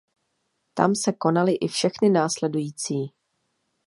Tam se konaly i všechny následující.